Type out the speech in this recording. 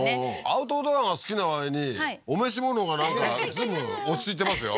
アウトドアが好きなわりにお召し物がなんか随分落ち着いてますよ